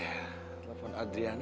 telepon adriana kok gak diangkat angkat